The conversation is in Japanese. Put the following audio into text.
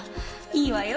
いいわよ。